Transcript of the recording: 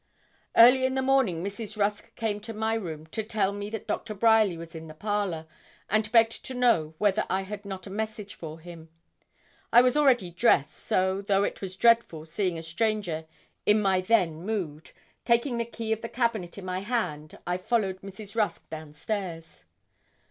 Early in the morning Mrs. Rusk came to my room to tell me that Doctor Bryerly was in the parlour, and begged to know whether I had not a message for him. I was already dressed, so, though it was dreadful seeing a stranger in my then mood, taking the key of the cabinet in my hand, I followed Mrs. Rusk downstairs.